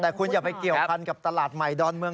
แต่คุณจะไปเกี่ยวภัณฑ์กับตลาดหมายดอลเมือง